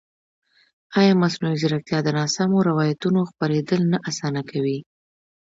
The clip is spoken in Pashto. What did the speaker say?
ایا مصنوعي ځیرکتیا د ناسمو روایتونو خپرېدل نه اسانه کوي؟